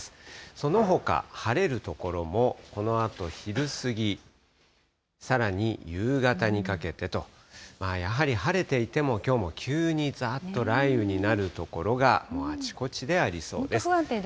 そのほか晴れる所も、このあと昼過ぎ、さらに夕方にかけてと、やはり晴れていても、きょうも急にざーっと雷雨になる所が、あちこちでありそうです。